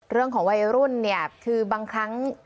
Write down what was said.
เรื่องของวัยรุ่นเนี่ยคือบางครั้ง